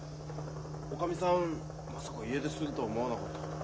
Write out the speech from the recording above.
おかみさんまさか家出するとは思わなかったから。